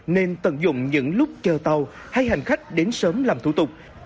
nên tận dụng những lúc chờ tàu hay hành khách đến sớm làm thủ tục